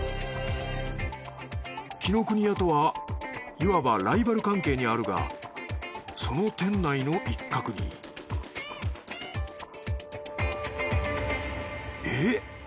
紀ノ国屋とはいわばライバル関係にあるがその店内の一角にえっ！？